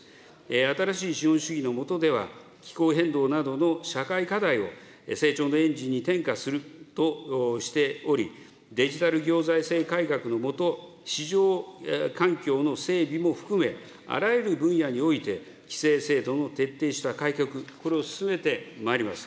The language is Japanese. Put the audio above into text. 新しい資本主義の下では、気候変動などの社会課題を成長のエンジンに転嫁するとしており、デジタル行財政改革のもと、市場環境の整備も含め、あらゆる分野において規制制度の徹底的改革、これを進めてまいります。